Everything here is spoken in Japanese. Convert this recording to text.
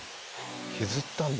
削ったんだ。